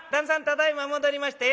ただいま戻りました。